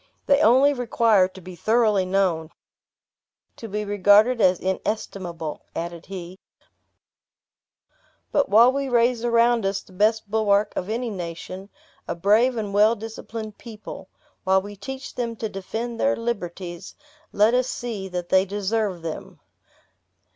"They only require to be thoroughly known, to be regarded as inestimable," added he; "but while we raise around us the best bulwark of any nation, a brave and well disciplined people; while we teach them to defend their liberties, let us see that they deserve them.